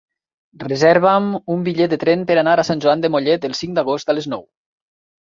Reserva'm un bitllet de tren per anar a Sant Joan de Mollet el cinc d'agost a les nou.